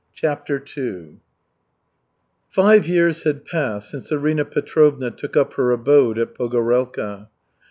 CHAPTER II Five years had passed since Arina Petrovna took up her abode at Pogorelka.